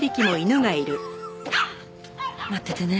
待っててね